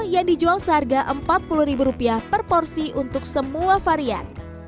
yang dijual seharga rp empat puluh per porsi untuk semua varian